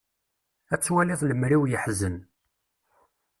Ad twalid lemri-w yeḥzen.